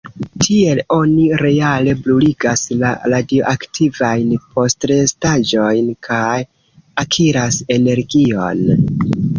Tiel oni reale bruligas la radioaktivajn postrestaĵojn kaj akiras energion.